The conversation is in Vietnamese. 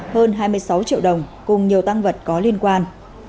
hơn hai mươi sáu triệu đồng cùng nhiều tăng vật có liên quan